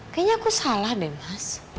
kayaknya aku salah deh mas